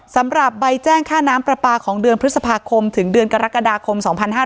สำหรับใบแจ้งค่าน้ำปลาปลาของเดือนพฤษภาคมถึงเดือนกรกฎาคม๒๕๕๙